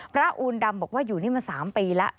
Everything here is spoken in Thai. อูนดำบอกว่าอยู่นี่มา๓ปีแล้ว